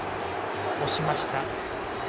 押しました。